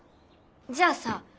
じゃあさ